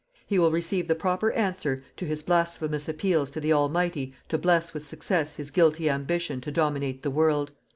He will receive the proper answer to his blasphemous appeals to the Almighty to bless with success his guilty ambition to dominate the world.